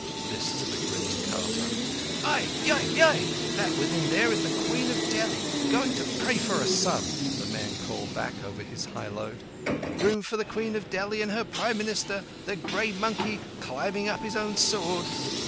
This to the grinning carter. "Ai! Yai! Yai! That within there is the Queen of Delhi going to pray for a son," the man called back over his high load. "Room for the Queen of Delhi and her Prime Minister the grey monkey climbing up his own sword!"